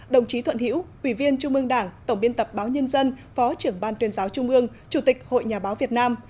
đồng chí thuận hiễu ủy viên trung ương đảng tổng biên tập báo nhân dân phó trưởng ban tuyên giáo trung ương chủ tịch hội nhà báo việt nam